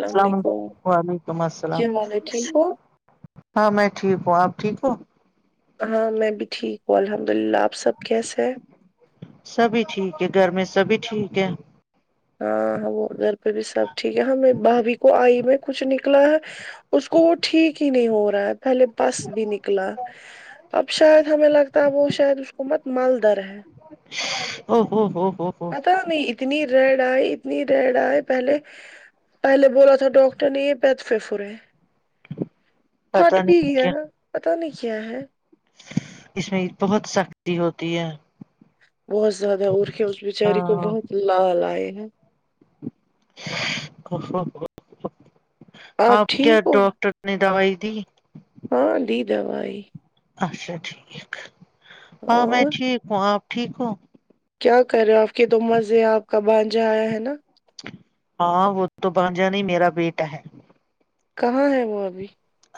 السلام علیکم وعلیکم السلام کیا حال ہے ٹھیک ہو ہاں میں ٹھیک ہوں آپ ٹھیک ہو ہاں میں بھی ٹھیک ہوں الحمد للہ آپ سب کیسے ہیں سبھی ٹھیک ہے گھر میں سبھی ٹھیک ہے ہاں ہاں وہ گھر پہ بھی سب ٹھیک ہے ہاں میں بھبھی کو آئی میں کچھ نکلا ہے اس کو وہ ٹھیک ہی نہیں ہو رہا ہے پہلے بس بھی نکلا اب شاید ہمیں لگتا ہے وہ شاید اس کو مت مالدر ہے او ہو ہو ہو ہو پتا نہیں اتنی ریڈ آئے اتنی ریڈ آئے پہلے پہلے بولا تھا ڈاکٹر نے یہ پتہ پھپھر ہے [inaudible] پھٹ بھی نہیں گیا کیا پتا نہیں کیا ہے اس میں بہت سختی ہوتی ہے بہت زیادہ ارکھے اس بچاری کو ہاں بہت لال آئے ہیں اب آپ کیا ٹھیک ہو ڈاکٹر نے دوائی دی ہاں دی دوائی اچھا ٹھیک ہاں میں اور ٹھیک ہوں آپ ٹھیک ہووں کیا کر رہے آپ کے تو مزے آپ کا بانجا آیا ہے نا ہاں وہ تو بانجا نہیں میرا بیٹا ہے کہاں ہے وہ ابھی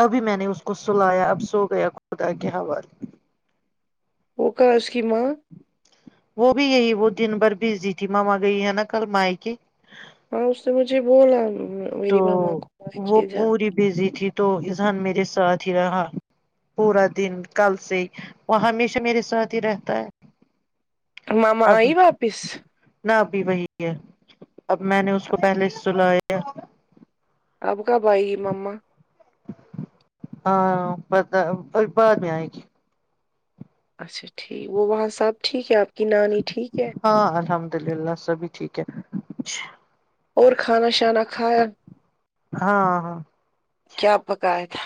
ابھی میں نے اس کو سلایا اب سو گیا خدا کے حوالے وہ کہاں اس کے ماں وہ بھی یہی وہ دن بھر بزی تھی مما گئی ہے نا کل مائ کی ہاں اس سے مجھے بولا تو میری ماما کو لے وہ کے جا پوری بزی تھی تو اذان میرے ساتھ ہی رہا پورا دن کل سے وہ ہمیشہ میرے ساتھ ہی رہتا ہے مما اب آئی واپس نہ ابھی وہی ہے اب میں نے اس کو پہلے سلایا اب کب آئی مما ہاں پتا بعد میں آئے گی اچھا ٹھیک وہ وہاں سب ٹھیک ہے آپ کی نانی ٹھیک ہے ہاں الحمد للہ سبھی ٹھیک ہے اور کھانا شانا کھایا ہاں ہاں کیا پکایا تھا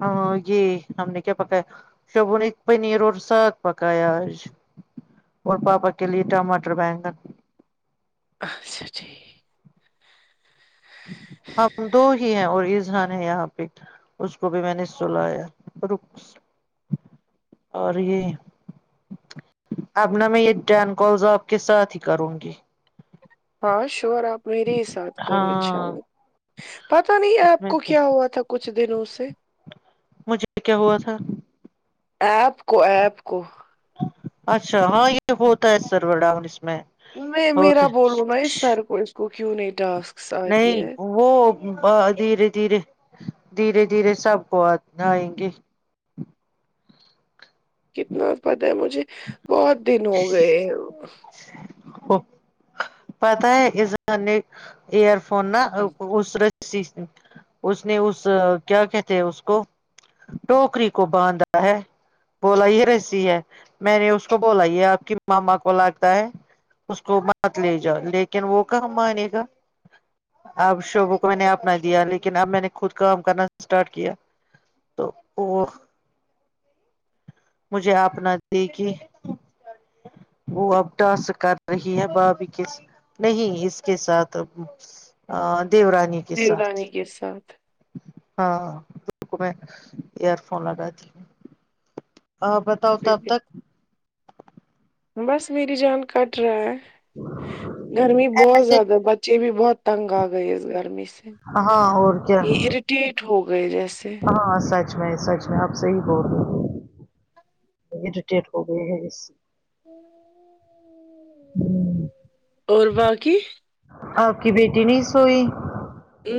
ہاں یہ ہم نے کیا پکایا ہم لوگوں نے پنیر اور ساگ پکایا آج اور پاپا کے لیے ٹماٹر بہگن اچھا ٹھیک ہم دو ہی ہیں اور اذان ہے یہاں پہ اس کو بھی میں نے سلایا اور یہ ابنا میں یہ ٹین کوالز آپ کے ساتھ ہی کروں گی ہاں شور آپ میرے ہی ساتھ کرو ان شاء ہاں اللہ پتا نہیں اس آیپ میں کو کیا ہوا تھا کچھ دنوں سے مجھے کیا ہوا تھا ایپ کو ایپ کو اچھا ہاں یہ ہوتا ہے سرور ڈاؤن اس میں نہیں ہوتے میرا بولوں میں سر کو اس کو کیوں نہیں ٹسک نہیں وہ دھیرے دھیرے دھیرے دھیرے سب کو آئیں گے کتنا پتاہ ہے مجھے بہت دن ہو گئے پتا ہے اس زے ایئر فون نہا اسر اس نے اس کیا کہتے ہیں اس کو ٹوکری کو باندھا ہے بولا یہ رسی ہے میں نے اس کو بولئیے آپ کی ماما کو لگتا ہے اس کو مت لے جاؤ لیکن وہ کہاں مان گا اب شعبوں کو میں نے اپنا دیا لیکن اب میں نے خود کام کرنا اسٹارٹ کیا تو وہ مجھے آنا دی کہ وہ اب ڈاس کر رہی ہے بابھی کے نہیں اس کے ساتھ ا دیورانی کے ساتھ اے ساتھ ہاں میں ایئر فون لگا ت ہ بتاؤ تھا اب تک بس میری جان کٹ رہا ہے گرمی بہت زیادہ بچے بھی بہت تنگ آ گئی اس گرمی سے ہاں اور یہ کیا اریٹیٹ ہو گئے جیسے ہاں سچ میں سچ میں آپ سے ہی بول رہی ہوں ٹی کوئی ہے ج ہوں ہوں اور باقی آپ کی بیٹی نہیں سوئی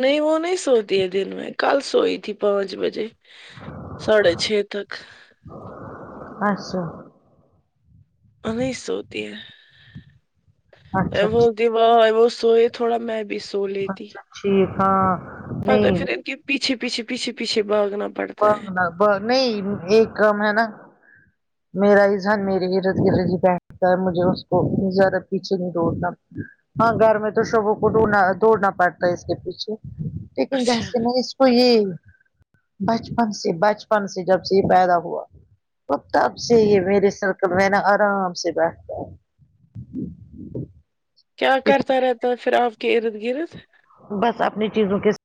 نہیں وہ نہیں سوتی ہے دن میں کل سوئی تھی پانچ بجے ساھے چھ تک اچھا نہیں سوتی ہے اچھا وہ د ٹھیک وہ وہ سوئے تھوڑا می بھیس اچھا ٹھیک ہاں پت نہیں پھر انن کے پچھ پچھ پچھ پچھ باغنا بگ ب نہیں ایک کم ہے نا میرا اذہان میرری گرد گرد ہی بیٹھتا ہے مجھے اس کو اتنی زیادہ پیچھے نہیں دوڑنا ہاں گھر میں تو شبوں کو ڈنا دوڑنا پڑتا ہے اس کے پیچھے لیکن اچھا جیسے میں تو یہ بچپن سے بچپن سے جب سے یہ پیدا ہوا اور تب سے یہ میرے سرکل میں نا آرام سے بیٹھتا ہے کیا کرتا رہتا پھر آپ کے ارد گرد بس اپنی چیزوں کیس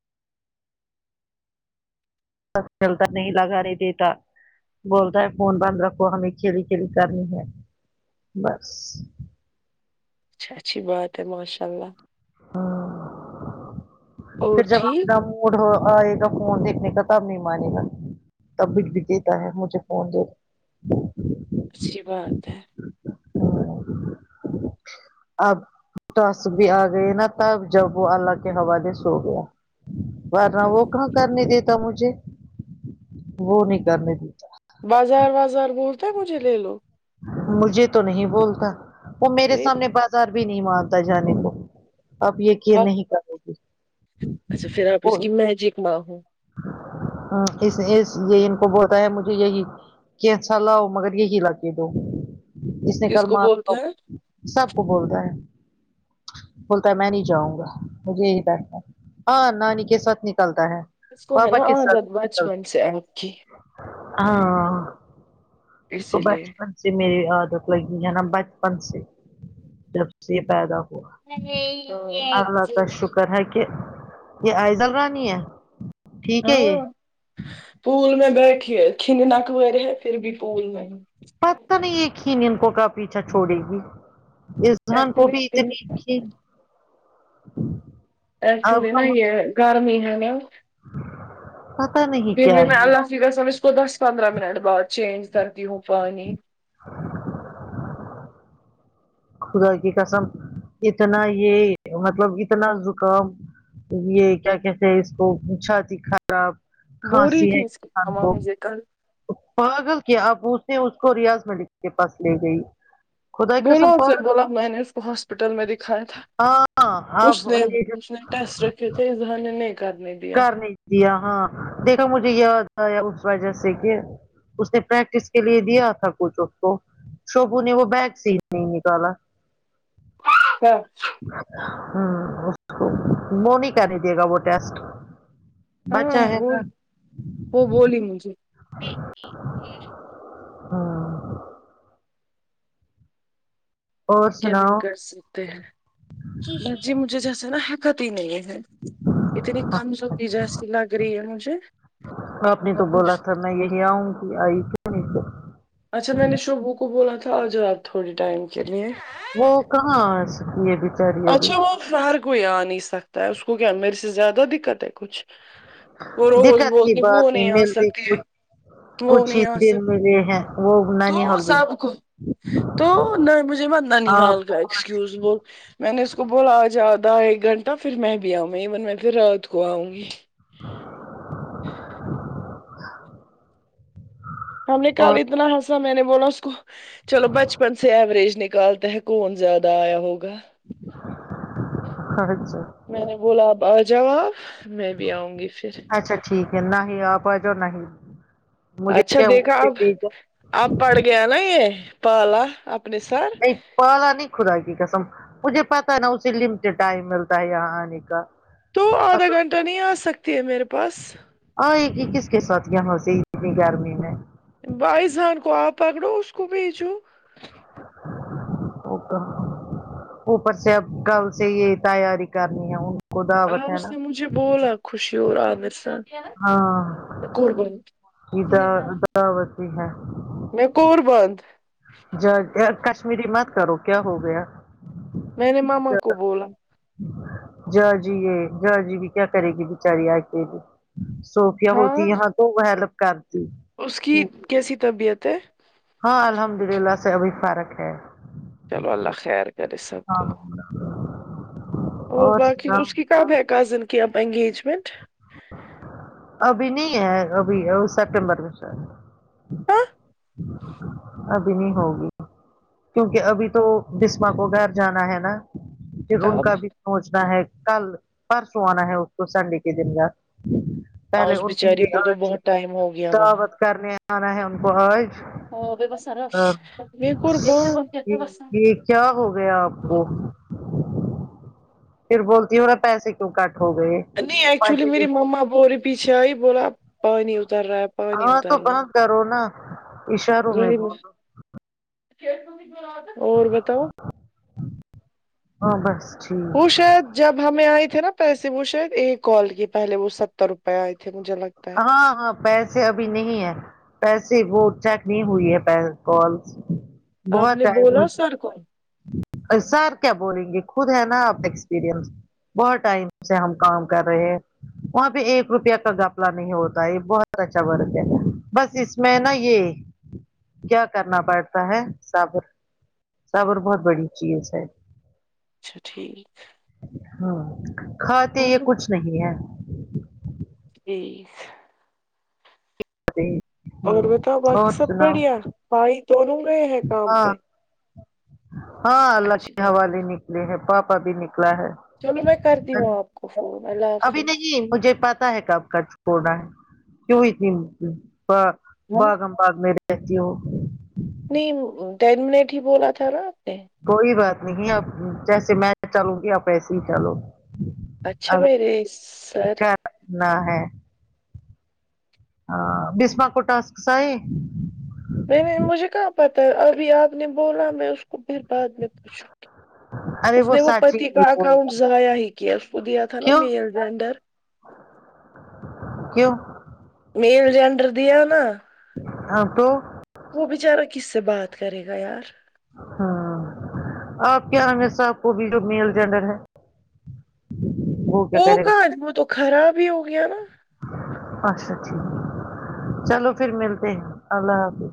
چلتا نہیں لگا نہیںے دیتا بولتا ہے فون بند رکھو ہمیں کھیلی کھیلی کرنی ہے بس اچھا اچھی بات ہے ماشاء اللہ ہاں اور پھر ج ٹھیک آ جے گا فون دیکھنے کا ت مان جے گا تب بھیٹ بھی دیتا ہے مجھے فون دی اچھی بات ہے اب توس بھی آ گئے نا تب جب وہ اللہ کے حوالے سو گیا ن وہ ہوں۔ کہاں کرنے دیتا مجھے وہ نہیں کرنے دیتا بازار وازار بولتا ہے مجھے لے لو مجھے تو نہیں بولتا وہ میرے نہیں سامنے بات ر بھی نہیں مانتا جانے کو آپ کی بات- نہیں کرو گے اچھا پھر آپ اس کی میںی جک ما ہوں اس اس یہ ان کو بتا ہے مجھے یہی کیسا لاؤ مگر یہیلا کے دو جس نے ک کس کو مار بولتے ہیں [unintelligible] سب کو بولتا ہے بولتا ہے میں نہیں جاؤں گا مجھے یہی بیٹھنا ہاں نانی کے ساتھ نکلتا ہے اس کو ہے پاپا نا کے ساتھ عادت بچپن نکلتا سے آپ کی ہاں اس کو اسی لیے بچپن سے میری عادت لگی ہے نا بچپن سے جب سے یہ پیدا اللہ کا شکر ہے کہ یہ عئضل رانی ہے ٹھیک ہے یہ ہاں پول میں بیٹھیے کھنناکویر ہے پھر بھی پول میں [unintelligible] پت نہیں ایک ہی ن انکوں کا پیچھا چھوڑے گی اس [unintelligible] رجان کو بھی اتنی ایکچولی [unintelligible] اب ایکچولی نا یہ گرمی ہے نا پتا نہیں پھر کیا بھی میں ہے اللہفظ وسلم اس کو دس [unintelligible] پندرہ منٹ بعد چینج کرتی ہوں پانی [inaudible] خدا کی قسم اتنا یہ مطلب اتنا زکام یہ کیا کہتے اس کو پچھاتتی خراب بول رہی کھانسی ہے تھی اس کی انسان ماما کو مجھے کل پاگل کیا آپوے اس کو ریاض ملک کے پاس لے گئی خدا کی بولا قسم سر پاگل بولا میں نے اس کو ہاسپٹل میں دکھایا تھا ہاں آپ اس نے لے اس نے ٹیسٹ رکھے تھے اظہان نے نہیں کرنے دیا کر نہیں دیا ہاں دیکھا مجھے یاد اس وجہ سے کہ اس نے پریکٹس کے لیے دیا تھا کچھ اس کو شوبو نے وہ بیک سے ہی نہیں نکالا اچھ [unintelligible] [unintelligible] س کو مونییک نہیں دے گا وہ ٹیسٹ بچا ہاں ہے وہ نا وہ بولی مجھے ہاں اور کیا نہیں سناؤ کر سکتے ہیں ب جی مجھے جیسے نا حکت ہی نہیں ہے [unintelligible] اتنی کمز پ جا س لگ رہی ہے م سے آپ [unintelligible] یہوں کہ آئی [unintelligible] [inaudible] اچھا میں نے شوبو کو بولا تھا آج آات تھوڑی ٹائم کے لیے [unintelligible] وہ کہاں سک ہے بھی اچھا وہ ہر کوئی آ نہیں سکتا ہے اس کو کیا میرے سے زیادہ دقت ہے کچھ وہ روز دقت کی بول کے وہ بات نہیں آ ملتی سکتے کچھ تو کچھ ہی نہیں آ سک دن ملے ہیں وہ تو نانی حال بھی نہیں۔ سب کو تو نہیں مجھے بات نن حال آپ کا ایکسکیوز وہ میں نے اس کو بولا آ ج آدھا ایک گھنٹہ پھر میں بھی آؤں گی ایون میں پھر رات کو آؤں گی [inaudible] ہم نے کال اور اتنا ہسا میں نے بولا اس کو چلو بچپن سے ایوریج نکالتے کون زیادہ آیا ہوگا اچھا میں نے بولاب آجاب [unintelligible] اچھا ٹھیک ہے نہیں آپ آ جوا نہیں مجھے کیا لی [unintelligible] آپ پڑ گیا نا یہ پالا اپنے ساتھ نہیں پال نہیں خدا کی قسم مجھے پتا نا اسے لٹڈ ٹائم ملتا ہے یہاں آنے کا تو آدھا گھنٹہ نہیں آ سکتی ہے میرے پاس اور ایک ایک کس کے ساتھ یہاں سے اتنی گھر میں بائی جان کو آپ پکڑو اس کو بھیچو [inaudible] اوپر سےب کل سے یہ تیاری کرنی ہے کو دعوت آپ ہے اس نا نے مجھے بولا خوشی اورور عامر سان ہاں کو بول یہ دعوت بھی ہے [unintelligible] م کور بند جا کشمیری مت کرو کیا ہو گیا میں نے ماما کو بولا جہ جی یہ جا جی بھی کیا کرے گی بچاری آ کے بھی صوفیا ہوتی ہاں یہاں تو وہ ہیلپ کرتی اس کی کیسی طبیعت ہے ہاں الحمد للہ سے ابھی فارق ہے چلو اللہ خیر کرے سب ہاں کو [unintelligible] اور باقی اس کی کب ہے کزن کی اب انگیجمنٹ ابھی نہیں ہے ابھی سپٹمبر میں شا ابھی نہیں ہوگی کیونکہ ابھی تو بسما کو گھر جانا ہے نا پھر ان کا کب بھی سوچنا ہے کل پرسوں آنا ہے اس کو سنڈے کے دن کا ہاں پہلے اس ان بیچاری کو تو آج بہت ٹائم ہو گیا وہاں دعوت کرنے آنا ہے ان کو آج ہ میں قربان ج یہ کیا ہو گیا آپ کو پھر بولتی ہوا پیسے کیوں کٹ ہو گئے نہیں ایکچولی میری مما بورے پیچھے آئی بولا پانی اتر رہا ہے پانی ہاں تو اتر رہا بند کرو نا اشاروں میں وہی بولو بات اور بتاؤ ہاں بس ٹھیک پوش جب ہمیں آئے تھے نا پیسے وہ شاید ایک کال کی پہلے وہ ستر روپے آئے تھے مجھے لگتا ہے ہاں ہاں پیسے ابھی نہیں ہے پیسے وہ چیک نہیں ہوئی ہے کال آپ بہت نے ٹم بولا مج سر کو سر کیا بولیں گے خود ہے نا آپ ایکسپیرئنس بہت ٹائم سے ہم کام کر رہے ہیں وہاں پہ ایک روپیہ کا گپ نہیں ہوتا یہ بہت اچھا ورک ہے بس اس میں نا یہ کیا کرنا پڑتا ہے صبر سب اور بہت بڑی چیز ہے اچھا ٹھیک ہاں کھاتے یہ کچھ نہیں ہے جی اور ہ بتاؤ باقی اور سب سناؤ بڑھیا بھائی دونوں میں ہے کام ہاں پہ ہاں اللہ اچھی کے بات ہے حوالے نکلے ہیں پاپا بھی نکلا ہے چلو میں کرتی ہوں آپ کو فون اللہ ابھی حافظ نہیں مجھے پتا ہے کب کا چھڑا ہے کیوںئی ت باغ ہم باغ میں رہتی ہو نہیں ٹین منٹ ہی بولا تھا نا آپ نے کوئی بات نہیں اپ جیسے میں چلوں گی آپ ایسے ہی چالو اچھا میرری سر اگر نہ ہے ہاں بسما کوٹاسک سائی نہیں نہیں مجھے کہاں پتہ ہے ابھی آپ نے بولا میں اس کو پھر بعد میں پوچھوں [inaudible] اس نے وہ سچی پتی کا نہیں بول اکاؤنٹ ضائع ہی کیا دیا تھا نا کیوں میل جینڈر کیوں میین جینڈر دی ہے نا ہاں تو وہ بچارا کس سے بات کرے گا یار ہاں آپ کیا رگے صاحب کو بھی جو میل جینڈر ہے کیا وہ کرے گا کادموں تو خراب ہی ہو گیا نا اچھا ٹھیک چلو پھر ملتے ہیں اللہ حافظ